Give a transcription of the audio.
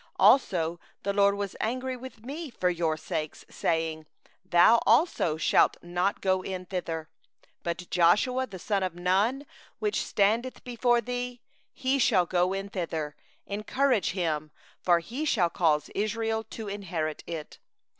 37Also the LORD was angry with me for your sakes, saying: Thou also shalt not go in thither; 38Joshua the son of Nun, who standeth before thee, he shall go in thither; encourage thou him, for he shall cause Israel to inherit it.